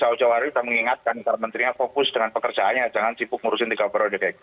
karena itu jauh jauh hari kita mengingatkan karena menterinya fokus dengan pekerjaannya jangan sibuk ngurusin tiga projek